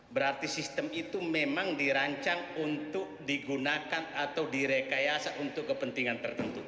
berarti sistem itu memang dirancang untuk digunakan atau direkayasa untuk kepentingan tertentu